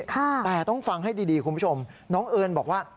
แต่ต้องฟังให้ดีคุณผู้ชมน้องเอิญบอกว่า